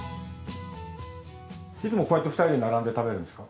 いつもこうやって２人で並んで食べるんですか？